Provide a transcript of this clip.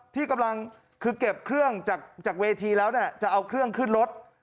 ที่กำลังคือเก็บเครื่องจากเวทีแล้วเนี่ยจะเอาเครื่องขึ้นรถ